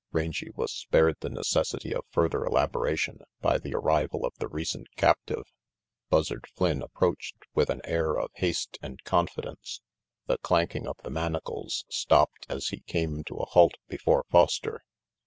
Rangy was spared the necessity of further elabora tion by the arrival of the recent captive. Buzzard Flynn approached with an air of haste and confidence. The clanking of the manacles stopped as he came to a halt before Foster.